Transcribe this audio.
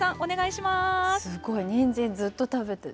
すごい、にんじんずっと食べてる。